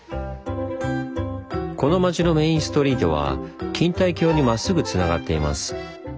この町のメインストリートは錦帯橋にまっすぐつながっています。